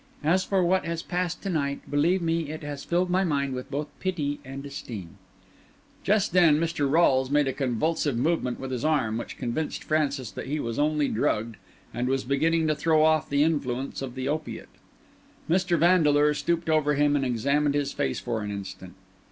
As for what has passed to night, believe me it has filled my mind with both pity and esteem." Just then Mr. Rolles made a convulsive movement with his arm, which convinced Francis that he was only drugged, and was beginning to throw off the influence of the opiate. Mr. Vandeleur stooped over him and examined his face for an instant.